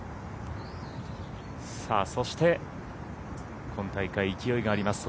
そして、今大会勢いがあります